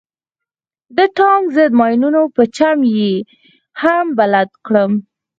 د ټانک ضد ماينونو په چم يې هم بلد کړم.